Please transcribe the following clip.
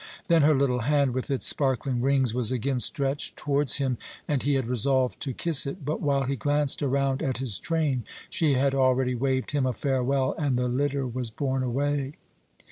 Then her little hand, with its sparkling rings, was again stretched towards him, and he had resolved to kiss it; but while he glanced around at his train, she had already waved him a farewell, and the litter was borne away.